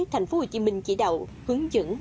tp hcm chỉ đạo hướng dẫn